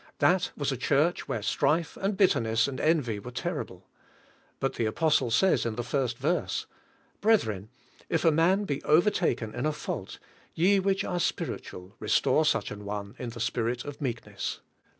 That was a church where strife, and bitterness, and envy were terrible. But the apostle says in the first verse: "Brethren, if a man be overtaken in a fault, ye which are spiritual restore such an one in the spirit of meekness."